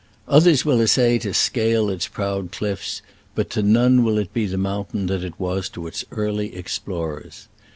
Others will essay to scale its proud cliffs, but to none will it be the THB SECOND ROPE. mountain that it was to its early ex plorers.